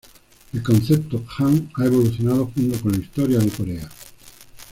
El concepto "Han" ha evolucionado junto con la historia de Corea.